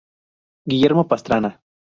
Guillermo Pastrana